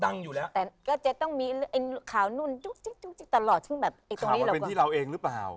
ดังอยู่แล้วแต่ก็จะต้องมีไอ้ขาวนู่นตลอดซึ่งแบบไอ้ตรงนี้ขาวมันเป็นที่เราเองหรือเปล่า